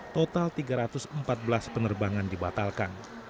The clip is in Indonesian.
total tiga ratus empat belas penerbangan dibatalkan